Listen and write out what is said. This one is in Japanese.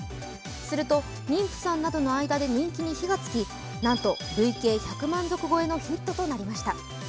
すると、妊婦さんなどの間で人気に火がつき、なんと、累計１００万足超えのヒットとなりました。